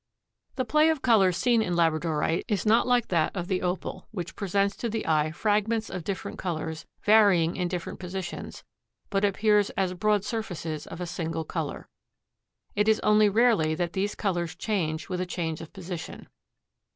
The play of colors seen in labradorite is not like that of the opal, which presents to the eye fragments of different colors varying in different positions, but appears as broad surfaces of a single color. It is only rarely that these colors change with a change of position.